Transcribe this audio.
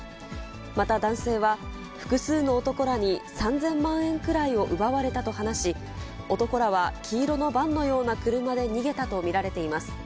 また男性は、複数の男らに３０００万円くらいを奪われたと話し、男らは黄色のバンのような車で逃げたと見られています。